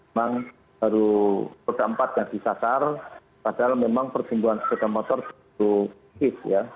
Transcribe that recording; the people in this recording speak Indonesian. memang baru keempat yang disasar padahal memang pertumbuhan sepeda motor cukup kis ya